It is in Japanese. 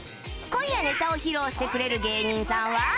今夜ネタを披露してくれる芸人さんは